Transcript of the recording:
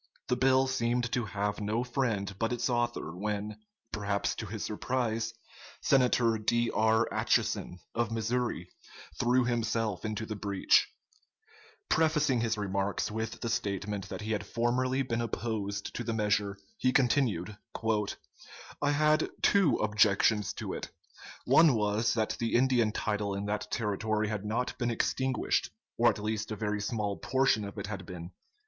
The bill seemed to have no friend but its author when, perhaps to his surprise, Senator D. R. Atchison, of Missouri, threw himself into the breach. [Sidenote: "Globe," March 3, 1853, p. 1113.] Prefacing his remarks with the statement that he had formerly been opposed to the measure, he continued: "I had two objections to it. One was that the Indian title in that territory had not been extinguished, or at least a very small portion of it had been.